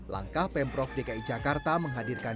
langkah pemprov dki jakarta menghadirkan